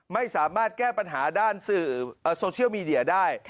ไม่สามารถแก้ปัญหาด้านสื่อโซเชียลมีเดียได้